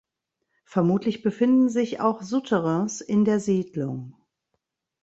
Vermutlich befinden sich auch Souterrains in der Siedlung.